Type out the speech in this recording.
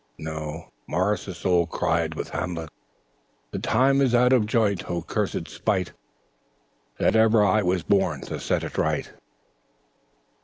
No. Morris's soul cried with Hamlet's: "The time is out of joint; O cursed spite, That ever I was born to set it right!"